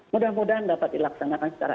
mudah mudahan dapat dilaksanakan secara